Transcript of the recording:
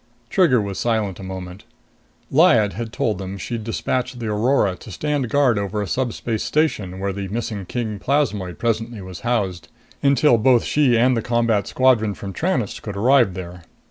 Trigger was silent a moment. Lyad had told them she'd dispatched the Aurora to stand guard over a subspace station where the missing king plasmoid presently was housed, until both she and the combat squadron from Tranest could arrive there.